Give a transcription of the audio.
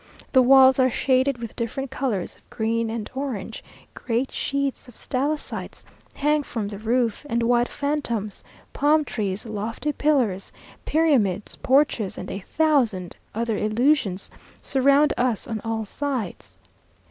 The walls are shaded with different colours of green and orange; great sheets of stalactites hang from the roof: and white phantoms, palm trees, lofty pillars, pyramids, porches, and a thousand other illusions, surround us on all sides.